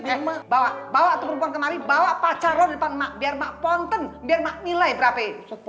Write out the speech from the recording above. eh bawa bawa tuh perempuan kemari bawa pacar lo depan mak biar mak ponten biar mak nilai berapa